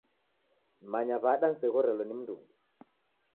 Nimanyaa w'ada niseghorelo ni mndungi?